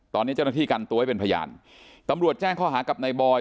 ตอนนี้เจ้าหน้าที่กันตัวให้เป็นพยานตำรวจแจ้งข้อหากับนายบอย